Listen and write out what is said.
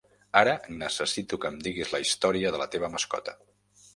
Ara necessito que em diguis la història de la teva mascota.